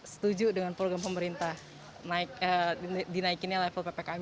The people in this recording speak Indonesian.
setuju dengan program pemerintah dinaikinnya level ppkm